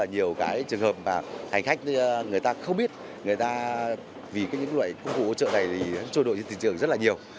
nhiều trường hợp hành khách không biết vì những công cụ hỗ trợ này trôi đổi trên thị trường rất nhiều